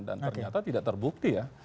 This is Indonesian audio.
dan ternyata tidak terbukti ya